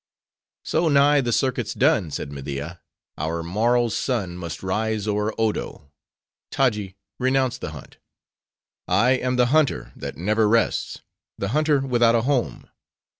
"So nigh the circuit's done," said Media, "our morrow's sun must rise o'er Odo; Taji! renounce the hunt." "I am the hunter, that never rests! the hunter without a home!